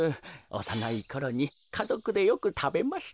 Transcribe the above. おさないころにかぞくでよくたべました。